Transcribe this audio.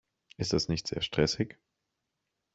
Ist das nicht sehr stressig?